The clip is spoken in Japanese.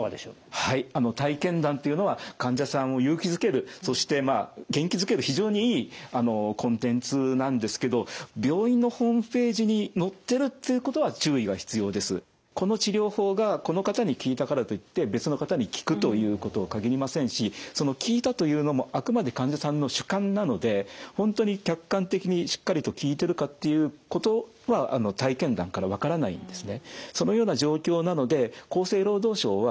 はいあの体験談というのは患者さんを勇気づけるそしてまあ元気づける非常にいいコンテンツなんですけどこの治療法がこの方に効いたからといって別の方に効くということは限りませんしその「効いた」というのもあくまで患者さんの主観なので本当に客観的にしっかりと効いてるかっていうことは体験談から分からないんですね。